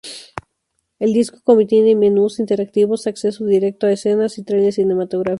El disco contiene menús interactivos, acceso directo a escenas y tráiler cinematográfico.